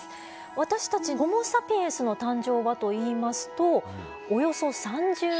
私たちホモ・サピエンスの誕生はといいますとおよそ３０万年前。